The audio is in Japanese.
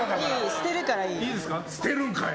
捨てるんかい！